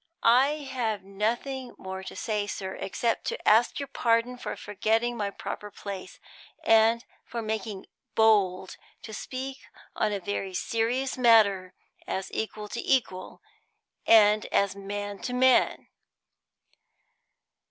I have nothing more to say, sir, except to ask your pardon for forgetting my proper place, and for making bold to speak on a very serious matter as equal to equal, and as man to man."